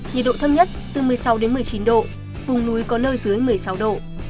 nhiệt độ thấp nhất từ một mươi sáu một mươi chín độ vùng núi có nơi dưới một mươi sáu độ